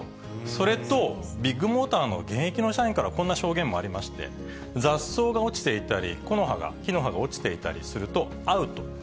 それと、ビッグモーターの現役の社員から、こんな証言もありまして、雑草が落ちていたり、木の葉が、木の葉が落ちていたりするとアウト。